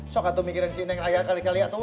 bagaimana mikirin ndeng raya kali kali itu